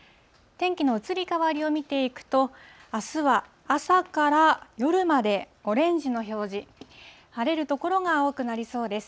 天気の移り変わりを見ていくと、あすは朝から夜まで、オレンジの表示、晴れる所が多くなりそうです。